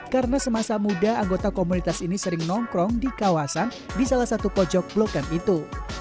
karena semasa muda anggota komunitas ini sering nongkrong di kawasan di salah satu pojok blokan itu